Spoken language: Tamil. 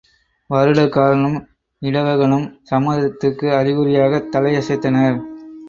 வருடகாரனும் இடவகனும் சம்மதத்திற்கு அறிகுறியாகத் தலையசைத்தனர்.